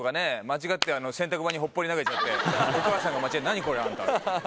間違って洗濯場にほっぽり投げちゃってお母さんが「何？これあんた」って。